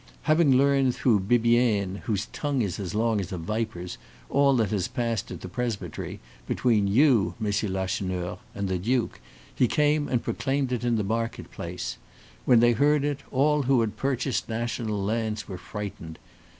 Having learned through Bibiaine, whose tongue is as long as a viper's, all that has passed at the presbytery, between you, Monsieur Lacheneur, and the duke, he came and proclaimed it in the market place. When they heard it, all who had purchased national lands were frightened.